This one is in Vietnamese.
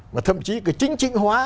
mà thậm chí cái chính trịnh hóa